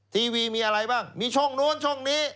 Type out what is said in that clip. ทีวีมีอะไรบ้างมีช่องโน้นช่องนี้